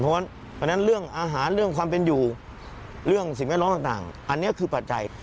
เพราะฉะนั้นเรื่องอาหารเรื่องความเป็นอยู่เรื่องสิ่งแวดล้อมต่างอันนี้คือปัจจัย